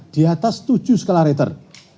diatas tujuh skala meter